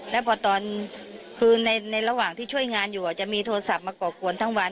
แล้วพอตอนคือในระหว่างที่ช่วยงานอยู่จะมีโทรศัพท์มาก่อกวนทั้งวัน